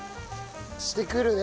してくるね。